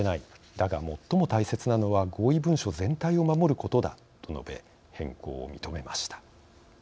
だが最も大切なのは合意文書全体を守ることだ」と述べ変更を認めました。